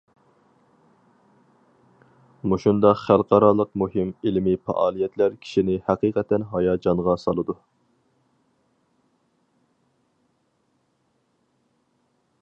مۇشۇنداق خەلقئارالىق مۇھىم ئىلمىي پائالىيەتلەر كىشىنى ھەقىقەتەن ھاياجانغا سالىدۇ!